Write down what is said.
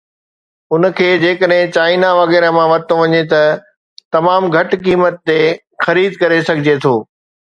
ان کي جيڪڏهن چائنا وغيره مان ورتو وڃي ته تمام گهٽ قيمت تي خريد ڪري سگهجي ٿو